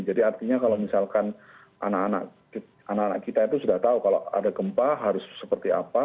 jadi artinya kalau misalkan anak anak kita itu sudah tahu kalau ada gempa harus seperti apa